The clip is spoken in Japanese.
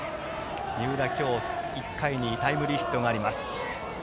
三浦、今日１回にタイムリーヒットがあります。